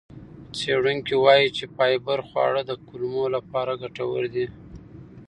څېړونکي وایي چې فایبر خواړه د کولمو لپاره ګټور دي.